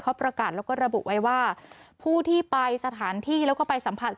เขาประกาศแล้วก็ระบุไว้ว่าผู้ที่ไปสถานที่แล้วก็ไปสัมผัส